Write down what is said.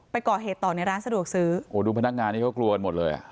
ไปก่อเหตุต่อในร้านสะดวกซื้อโอ้ดูพนักงานนี้เขากลัวกันหมดเลยอ่ะ